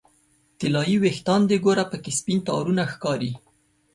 طلایې ویښان دې ګوره پکې سپین تارونه ښکاري